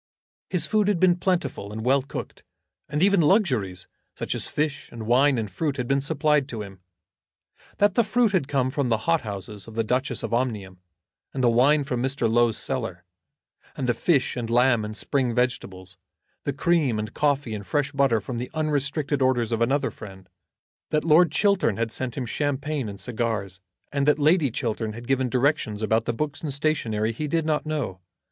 His food had been plentiful and well cooked, and even luxuries, such as fish and wine and fruit, had been supplied to him. That the fruit had come from the hot houses of the Duchess of Omnium, and the wine from Mr. Low's cellar, and the fish and lamb and spring vegetables, the cream and coffee and fresh butter from the unrestricted orders of another friend, that Lord Chiltern had sent him champagne and cigars, and that Lady Chiltern had given directions about the books and stationery, he did not know.